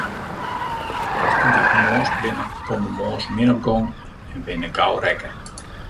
Minsken dy't moarnsk binne, komme moarns min op gong en binne gau rekke.